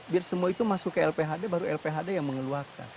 biar semua itu masuk ke lphd baru lphd yang mengeluarkan